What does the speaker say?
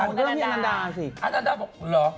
อันนานดาสิอันนานดาบอกหรอ